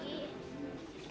aku juga mau